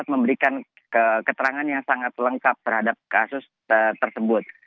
kita sudah melakukan penelitian dan penelitian yang sangat lengkap terhadap kasus tersebut